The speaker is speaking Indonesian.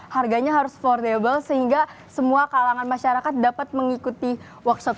harganya harus affordable sehingga semua kalangan masyarakat dapat mengikuti workshop